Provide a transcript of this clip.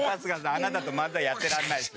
あなたと漫才やってられないです。